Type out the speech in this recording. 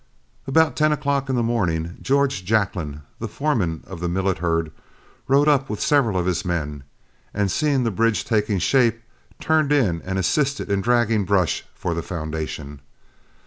About ten o'clock in the morning, George Jacklin, the foreman of the Millet herd, rode up with several of his men, and seeing the bridge taking shape, turned in and assisted in dragging brush for the foundation.